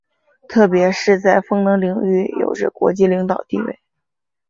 特别是在风能领域有着国际领导地位。